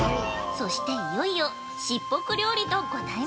◆そしていよいよ卓袱料理とご対面！